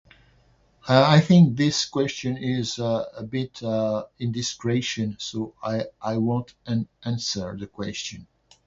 I I think this question is, uh, a bit, uh, indiscretion, so I I won't an- answer the question